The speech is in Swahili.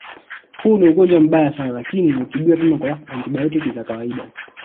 Huu ni ugonjwa mbaya sana lakini hutibiwa vyema kwa antibayotiki za kawaida